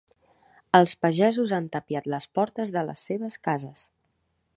Els pagesos han tapiat les portes de les seves cases.